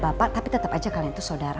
beda bapak tapi tetep aja kalian tuh sodara